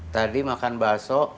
tadi makan baso